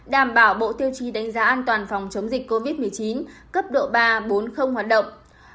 đảm bảo bộ tiêu chí đánh giá an toàn phòng chống dịch covid một mươi chín cấp độ ba bốn hoạt động